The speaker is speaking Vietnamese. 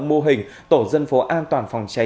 mô hình tổ dân phố an toàn phòng cháy